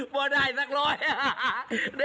แม่แม่